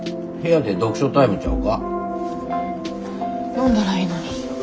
呼んだらいいのに。